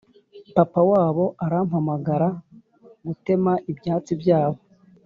papa wabo arampamagara gutema ibyatsi byabo